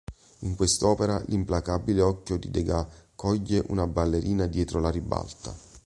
In quest'opera l'implacabile occhio di Degas coglie una ballerina dietro la ribalta.